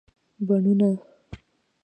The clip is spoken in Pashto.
بڼونه